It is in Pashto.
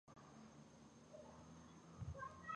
پکتیکا خلک ساده، غیرتي او دین دار دي.